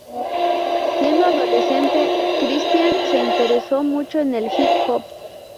Siendo adolescente, Christian se interesó mucho en el hip hop.